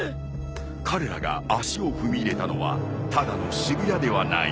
彼らが足を踏み入れたのはただの渋谷ではない。